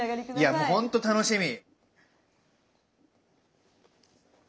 いやもうほんと楽しみ。